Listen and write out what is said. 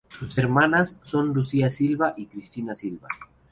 Sus hermanas son Lucía Silva y Cristina Silva.